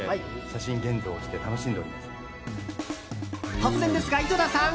突然ですが、井戸田さん